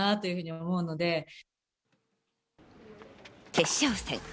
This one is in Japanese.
決勝戦。